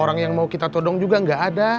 orang yang mau kita todong juga nggak ada